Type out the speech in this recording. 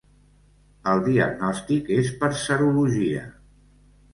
El diagnòstic és per serologia.